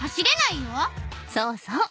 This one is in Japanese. そうそう。